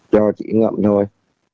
cho chị ngậm thôi